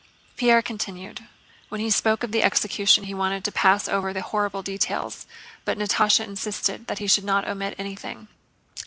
Pierre continued. When he spoke of the execution he wanted to pass over the horrible details, but Natásha insisted that he should not omit anything.